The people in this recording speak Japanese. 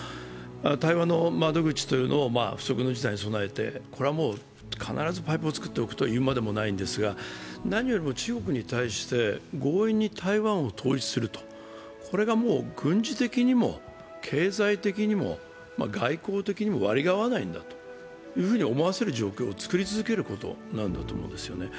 対話の窓口を不測の事態に備えて、これはもう必ずパイプを作っておくのは言うまでもないんですが、なにより中国に対して強引に台湾を統一すると軍事的にも経済的にも外交的にも割が合わないんだというふうに思わせる状況を作り続けることなんだと思うんです。